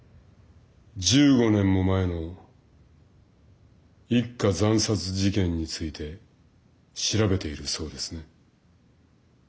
１５年も前の一家惨殺事件について調べているそうですね？